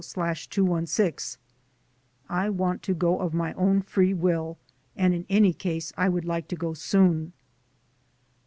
54860/216) : "I want to go of my own free will and in any case I would like to go soon."